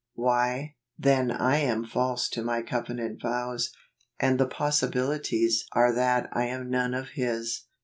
Why, then I am false to my covenant vows, and the possi¬ bilities are that I am none of His.